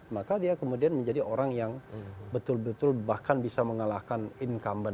maka dia kemudian menjadi orang yang betul betul bahkan bisa mengalahkan incumbent